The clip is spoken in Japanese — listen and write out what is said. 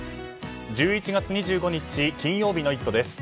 １１月２５日、金曜日の「イット！」です。